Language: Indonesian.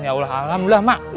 ya allah alhamdulillah mak